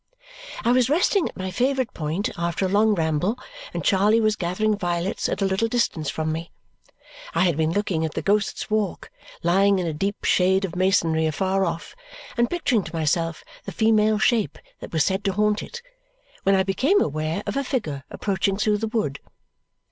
I was resting at my favourite point after a long ramble, and Charley was gathering violets at a little distance from me. I had been looking at the Ghost's Walk lying in a deep shade of masonry afar off and picturing to myself the female shape that was said to haunt it when I became aware of a figure approaching through the wood.